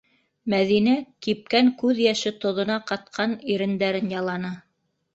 Мәҙинә кипкән, күҙ йәше тоҙона ҡатҡан ирендәрен яланы.